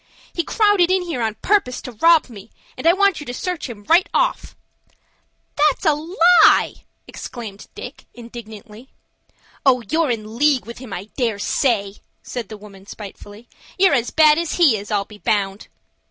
"He crowded in here on purpose to rob me, and I want you to search him right off." "That's a lie!" exclaimed Dick, indignantly. "Oh, you're in league with him, I dare say," said the woman spitefully. "You're as bad as he is, I'll be bound."